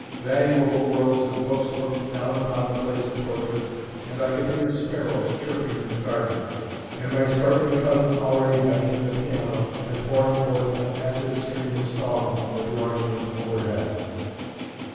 Valuable rows of books looked down upon the place of torture; and I could hear sparrows chirping in the garden, and my sprightly cousin already banging the piano and pouring forth an acid stream of song from the drawing room overhead.